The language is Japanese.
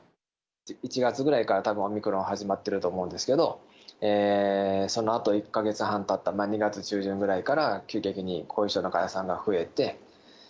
１月ぐらいからたぶんオミクロン始まってると思うんですけど、そのあと１か月半たった、２月中旬ぐらいから急激に後遺症の患者さんが増えて。